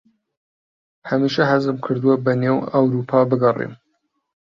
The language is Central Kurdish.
هەمیشە حەزم کردووە بەنێو ئەورووپا بگەڕێم.